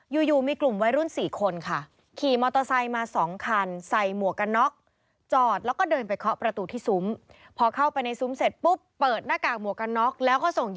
อยู่มีกลุ่มวัยรุ่น๔คนค่ะ